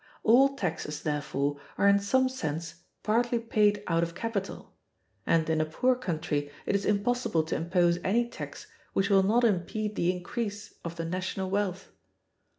All taxes, therefore, are in some sense partly paid out of capital; and in a poor country it is impossible to impose any tax which will not impede the increase of the national wealth.